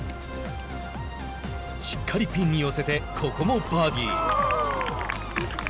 しっかりピンに寄せてここもバーディー。